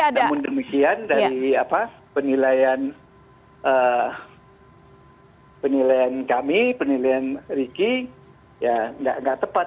namun demikian dari penilaian kami penilaian ricky ya nggak tepat